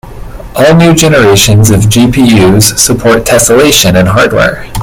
All new generations of GPUs support tesselation in hardware.